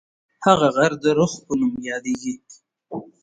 هغه غر د رُخ په نوم یادیږي.